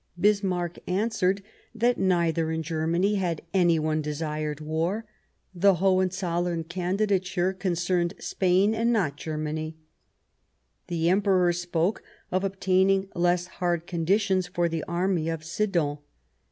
Bismarck answered that neither in Germany had any one desired war ; the Hohenzollern Candidature concerned Spain, and not Germany. The Emperor spoke of obtaining less hard conditions for the Army of Sedan.